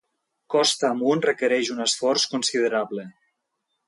Costa amunt requereix un esforç considerable.